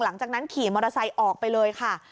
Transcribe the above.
หลังจากนั้นขี่มอเตอร์ไซส์ออกไปเลยค่ะ